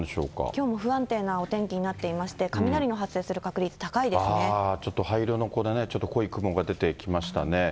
きょうも不安定なお天気になっていまして、雷の発生する確率、ちょっと灰色のこれね、ちょっと濃い雲が出てきましたね。